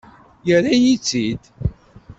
Yerra-yi-t-id.